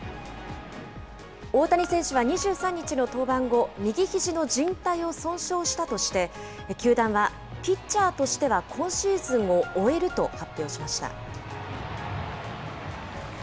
大谷選手は２３日の登板後、右ひじのじん帯を損傷したとして、球団はピッチャーとしては今シーズンを終えると発表しました。